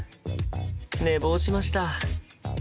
寝坊しました。